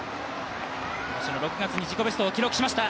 今年の６月に自己ベストを更新しました。